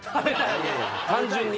単純に？